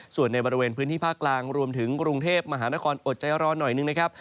ส่วนในบริเวณพื้นที่ภาคกลางรวมถึงกรุงเทพมหานครอดใจรอหน่อยนึงนะครับ